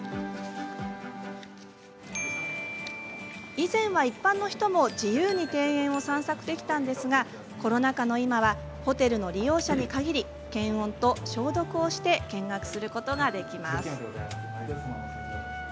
以前は、一般の人も自由に庭園を散策できましたがコロナ禍の今はホテルの利用者に限り検温と消毒をして見学することができます。